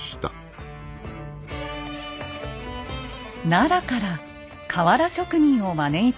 奈良から瓦職人を招いたのです。